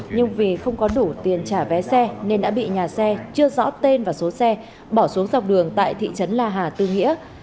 nhưng vì không có đủ tiền trả vé xe nên đã bị nhà xe chưa rõ tên và số xe bỏ xuống dọc đường tại thị trấn la hà tư nghĩa